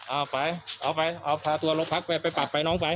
เอาไปเอาไปเอาพาตัวลงพักไปไปปรับไปน้องไป